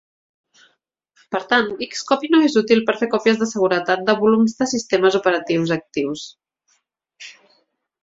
Per tant, Xcopy no és útil per fer còpies de seguretat de volums de sistemes operatius actius.